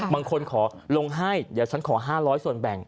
บางคนขอลงให้เดี๋ยวฉันขอ๕๐๐ส่วนแบ่ง